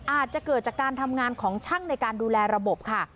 อาจจะเกิดจากการทำงานของช่างในการดูแลระบบค่ะ